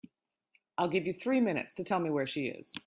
I'll give you three minutes to tell me where she is.